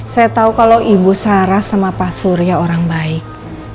saya tahu kalau ibu sarah sama pak surya orang baik